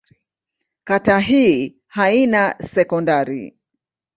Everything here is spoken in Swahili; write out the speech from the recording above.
Kata hii haina sekondari.